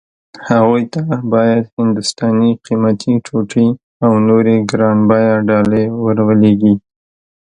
هغوی ته باید هندوستاني قيمتي ټوټې او نورې ګران بيه ډالۍ ور ولېږي.